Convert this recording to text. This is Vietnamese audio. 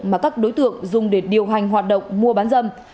mà các đối tượng dùng để điều hành hoạt động mua bán dâm